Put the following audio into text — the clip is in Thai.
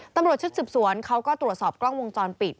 ตำรวจชุดสืบสวนเขาก็ตรวจสอบกล้องวงจรปิด